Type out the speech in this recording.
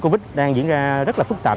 covid đang diễn ra rất phức tạp